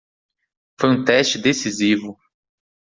Foi um teste decisivo.